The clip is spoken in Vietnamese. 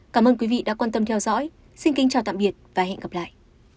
cảm ơn quý vị đã quan tâm theo dõi xin kính chào tạm biệt và hẹn gặp lại